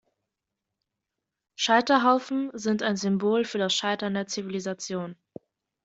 Scheiterhaufen sind ein Symbol für das Scheitern der Zivilisation.